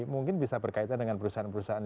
mungkin bisa berkaitan dengan perusahaan perusahaan